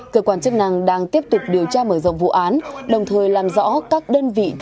cơ quan chức năng đang tiếp tục điều tra mở rộng vụ án đồng thời làm rõ các đơn vị